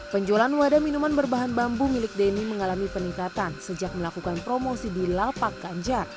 penjualan wadah minuman berbahan bambu milik denny mengalami peningkatan sejak melakukan promosi di lapak ganjar